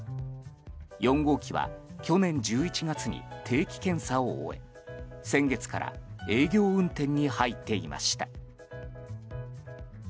４号機は去年１１月に定期検査を終え先月から営業運転に入っていました。